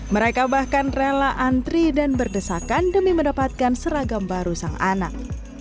mereka bahkan rela antri dan berdesakan demi mendapatkan seragam baru sang anak